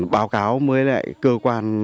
báo cáo với cơ quan